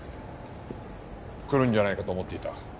来るんじゃないかと思っていた。